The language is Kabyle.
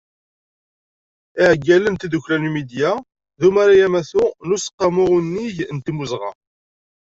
Iɛeggalen n tddukkla Numidya d umaray amatu n Useqqamu unnig n timmuzɣa.